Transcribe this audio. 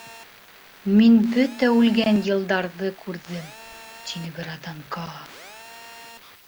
— Мин бөтә үлгән йылдарҙы күрҙем, — тине бер аҙҙан Каа.